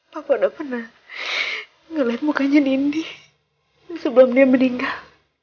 papa udah pernah ngeliat mukanya nindi sebelum dia meninggal